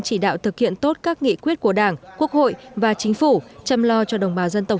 chỉ đạo thực hiện tốt các nghị quyết của đảng quốc hội và chính phủ chăm lo cho đồng bào dân tộc